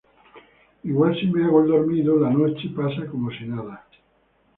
igual, si me hago el dormido, la noche pasa como si nada.